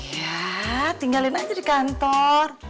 ya tinggalin aja di kantor